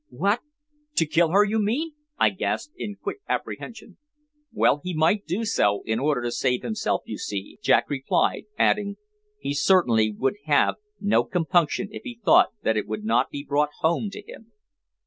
"What! to kill her, you mean?" I gasped, in quick apprehension. "Well, he might do so, in order to save himself, you see," Jack replied, adding: "He certainly would have no compunction if he thought that it would not be brought home to him.